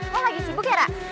lo lagi sibuk ya rara